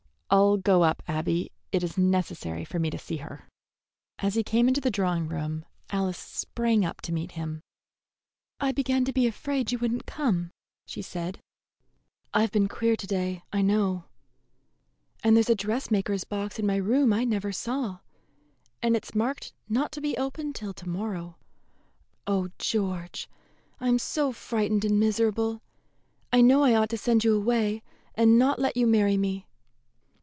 "I'll go up, Abby. It is necessary for me to see her." As he came into the drawing room Alice sprang up to meet him. "I began to be afraid you would n't come," she said. "I've been queer to day, I know; and there's a dressmaker's box in my room I never saw, and it's marked not to be opened till to morrow. Oh, George, I am so frightened and miserable! I know I ought to send you away, and not let you marry me."